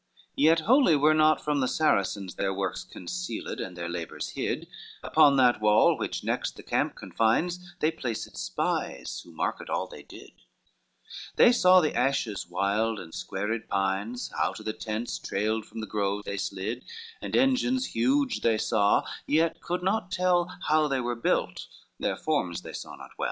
XLVI Yet wholly were not from the Saracines Their works concealed and their labors hid, Upon that wall which next the camp confines They placed spies, who marked all they did: They saw the ashes wild and squared pines, How to the tents, trailed from the grove, they slid: And engines huge they saw, yet could not tell How they were built, their forms they saw not well.